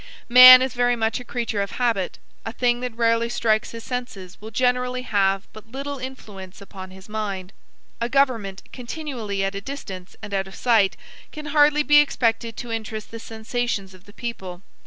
Man is very much a creature of habit. A thing that rarely strikes his senses will generally have but little influence upon his mind. A government continually at a distance and out of sight can hardly be expected to interest the sensations of the people.